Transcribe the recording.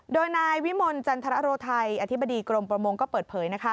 โดยนายวิมลจันทรโรไทยอธิบดีกรมประมงก็เปิดเผยนะคะ